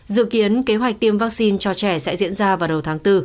dự kiến kế hoạch tiêm vaccine cho trẻ sẽ diễn ra vào đầu tháng bốn